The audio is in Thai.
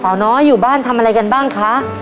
น้อยอยู่บ้านทำอะไรกันบ้างคะ